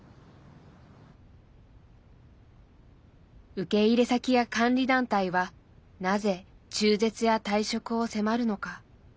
受け入れ先や監理団体はなぜ中絶や退職を迫るのか。